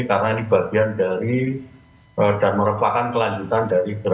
karena ini bagian dari dan merupakan kelanjutan dari gerakan